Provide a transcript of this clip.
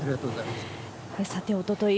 さて、おととい、